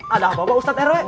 ada apa apa ustadz rw